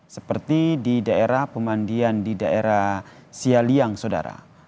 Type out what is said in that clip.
seperti di daerah pemandian di daerah sialiang sodara